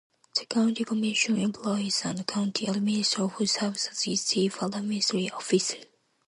The County Commission employs a County Administrator, who serves as its chief administrative officer.